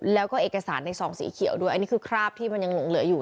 แล้วก็เอกสารในซองสีเขียวด้วยอันนี้คือคราบที่มันยังหลงเหลืออยู่